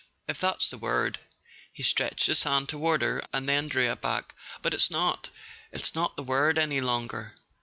If that's the word." He stretched his hand toward her, and then drew it back. "But it's not: it's not the word any longer."